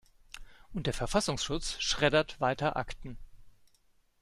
Und der Verfassungsschutz schreddert weiter Akten.